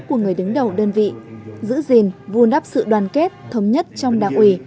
của người đứng đầu đơn vị giữ gìn vù nắp sự đoàn kết thống nhất trong đảng quỳ